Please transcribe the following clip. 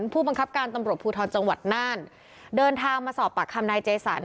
ผู้บังคับการตำรวจภูทรจังหวัดน่านเดินทางมาสอบปากคำนายเจสัน